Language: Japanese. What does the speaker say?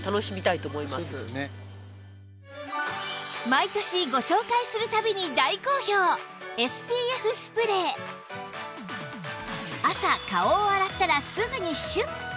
毎年ご紹介する度に大好評 ＳＰＦ スプレー朝顔を洗ったらすぐにシュッ！